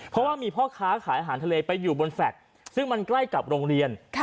เพราะว่ามีพ่อค้าขายอาหารทะเลไปอยู่บนแฟลต์ซึ่งมันใกล้กับโรงเรียน